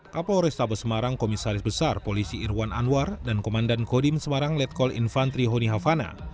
kapol restabes semarang komisaris besar polisi irwan anwar dan komandan kodim semarang letkol infantri honi hafana